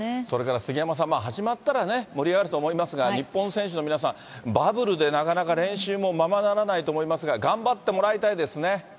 それから杉山さん、始まったらね、盛り上がると思いますが、日本選手の皆さん、バブルでなかなか練習もままならないと思いまそうですね。